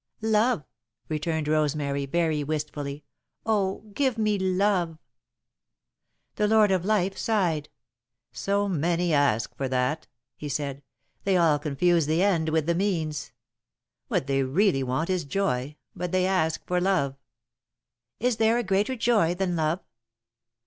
"Love," returned Rosemary, very wistfully. "Oh, give me love!" The Lord of Life sighed. "So many ask for that," he said. "They all confuse the end with the means. What they really want is joy, but they ask for love." "Is there a greater joy than love?"